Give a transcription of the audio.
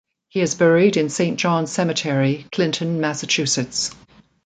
He is buried in Saint John's Cemetery, Clinton, Massachusetts.